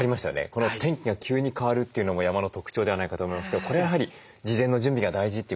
この天気が急に変わるというのも山の特徴ではないかと思いますけどこれはやはり事前の準備が大事ってことでしょうか？